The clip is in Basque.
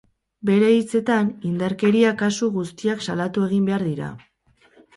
Bere hitzetan, indarkeria kasu guztiak salatu egin behar dira.